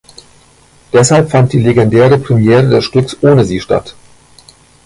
Deshalb fand die legendäre Premiere des Stückes ohne sie statt.